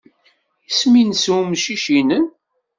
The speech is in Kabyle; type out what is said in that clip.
Isem-nnes umcic-nnem?